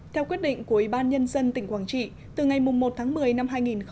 theo quyết định của ủy ban nhân dân tỉnh quảng trị từ ngày một tháng một mươi năm hai nghìn một mươi chín